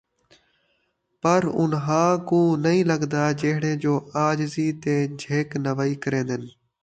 پر انھاں کُوں نھیں لڳدا جِہڑے جو عاجزی تے جِھک نوائی کریندن ۔